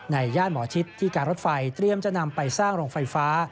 ย่านหมอชิดที่การรถไฟเตรียมจะนำไปสร้างโรงไฟฟ้า